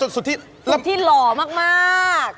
สุทธีหล่อมาก